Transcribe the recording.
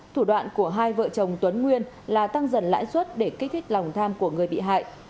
thủ đoạn của hai vợ chồng tuấn nguyên là tăng dần lãi suất để kích thích lòng tham của người bị hại